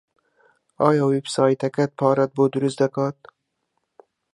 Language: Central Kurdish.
ئایا وێبسایتەکەت پارەت بۆ دروست دەکات؟